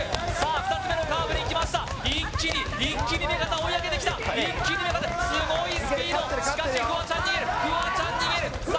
２つ目のカーブに来ました一気に一気に目片追い上げてきた一気に目片すごいスピードしかしフワちゃん逃げるフワちゃん逃げるさあ